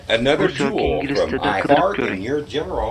rus yoki ingliz tilida qidirib ko’ring